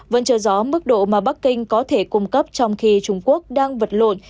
vẫn chờ gió mức độ mà bắc kinh có thể cung cấp trong khi trung quốc đang vật lộn